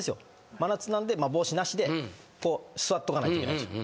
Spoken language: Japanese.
真夏なんで帽子なしで座っとかないといけないんですよ。